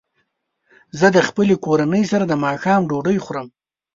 زه د خپلې کورنۍ سره د ماښام ډوډۍ خورم.